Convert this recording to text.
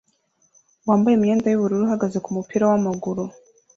wambaye imyenda yubururu uhagaze kumupira wamaguru